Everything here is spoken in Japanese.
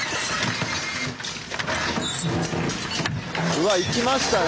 うわ！いきましたね。